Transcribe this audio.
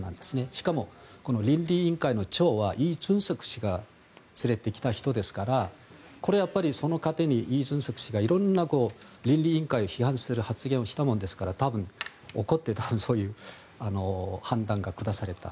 しかも倫理委員会の長はイ・ジュンソク氏が連れてきた人ですからこれは、やっぱりその過程にイ・ジュンソク氏がいろんな倫理委員会を批判する発言をしたものですから多分、怒ってそういう判断が下された。